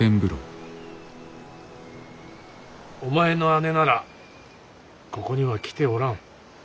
お前の姉ならここには来ておらん。